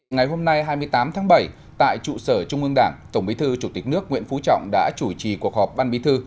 ngày hôm nay hai mươi tám tháng bảy tại trụ sở trung ương đảng tổng bí thư chủ tịch nước nguyễn phú trọng đã chủ trì cuộc họp ban bí thư